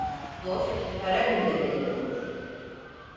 Dost kara günde belli olur.